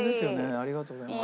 ありがとうございます。